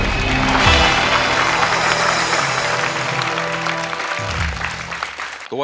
ขอบคุณครับ